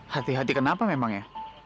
hati hati kenapa memang ya